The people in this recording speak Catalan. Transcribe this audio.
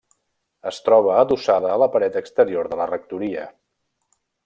Es troba adossada a la paret exterior de la rectoria.